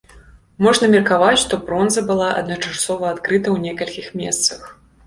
Можна меркаваць, што бронза была адначасова адкрыта ў некалькіх месцах.